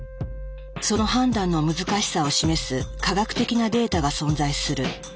その判断の難しさを示す科学的なデータが存在する。